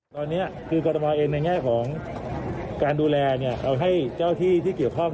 ตอนนี้คือกรทมเองในแง่ของการดูแลเราให้เจ้าที่ที่เกี่ยวข้อง